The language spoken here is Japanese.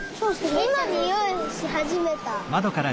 いまにおいしはじめた！